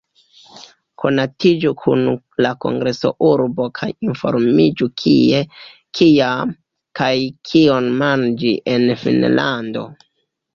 Konatiĝu kun la kongres-urbo, kaj informiĝu kie, kiam, kaj kion manĝi en Finnlando.